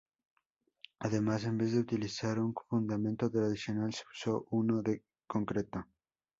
Además, en vez de utilizar un fundamento tradicional, se usó uno de concreto.